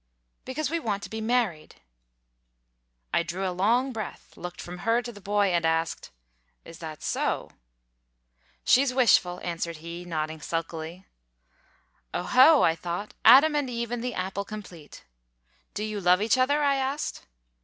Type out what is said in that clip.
"Because we want to be married." I drew a long breath, looked from her to the boy, and asked "Is that so?" "She's wishful," answered he, nodding sulkily. "Oho!" I thought; "Adam and Eve and the apple, complete. Do you love each other?" I asked.